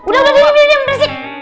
udah udah udah bersih